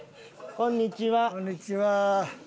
こんにちは。